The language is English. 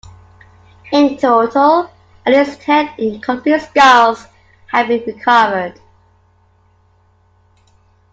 In total, at least ten incomplete skulls have been recovered.